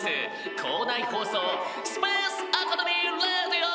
校内放送『スペースアカデミーレディオ』！」。